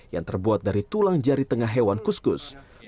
yang terbuat dari tulang jari tengah hewan kuskus